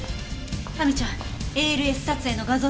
亜美ちゃんＡＬＳ撮影の画像処理は？